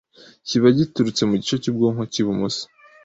kiba cyaturutse mu gice cy’ubwonko cy’ibumoso.